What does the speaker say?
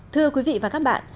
thưa quý vị và các bạn